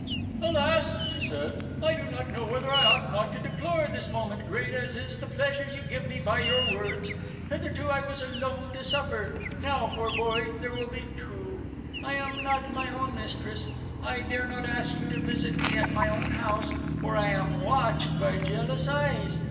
"Alas!" she said; "I do not know whether I ought not to deplore this moment, great as is the pleasure you give me by your words. Hitherto I was alone to suffer; now, poor boy, there will be two. I am not my own mistress. I dare not ask you to visit me at my own house, for I am watched by jealous eyes.